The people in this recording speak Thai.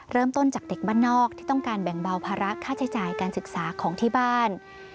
เริ่มต้นจากเด็กบ้านนอกที่ต้องการแบ่งเบาภาระค่าใช้จ่ายการศึกษาของที่บ้าน